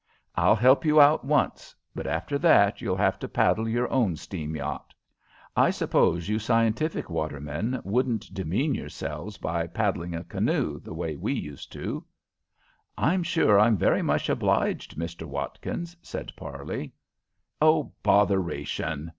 I'll help you out once, but after that you'll have to paddle your own steam yacht. I suppose you scientific watermen wouldn't demean yourselves by paddling a canoe, the way we used to." "I'm sure I'm very much obliged, Mr. Watkins," said Parley. "Oh, botheration!"